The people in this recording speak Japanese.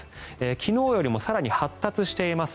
昨日よりも更に発達しています。